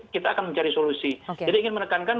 kita akan mencari solusi jadi ingin menekankan